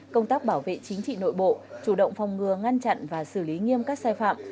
công tác bảo vệ chính trị nội bộ chủ động phòng ngừa ngăn chặn và xử lý nghiêm các sai phạm